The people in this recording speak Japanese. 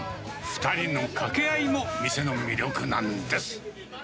２人の掛け合いも店の魅力なんです。